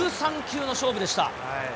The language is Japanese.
１３球の勝負でした。